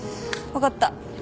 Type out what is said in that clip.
分かった。